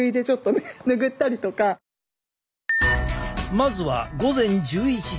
まずは午前１１時。